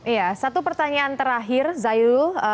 iya satu pertanyaan terakhir zayul